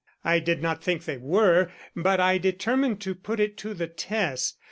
I did not think they were, but I determined to put it to the test.